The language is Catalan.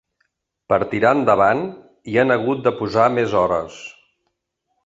Per tirar endavant, hi han hagut de posar més hores.